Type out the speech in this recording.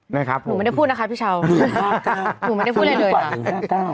นะครับผมผมไม่ได้พูดนะครับพี่เช้าหนึ่งห้าเก้าผมไม่ได้พูดอะไรเลยหนึ่งห้าเก้า